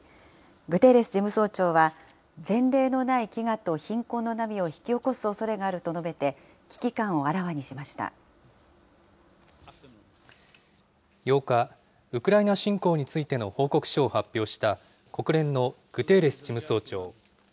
グテーレス事務総長は、前例のない飢餓と貧困の波を引き起こすおそれがあると述べて、危８日、ウクライナ侵攻についての報告書を発表した、国連のグテーレス事務総長。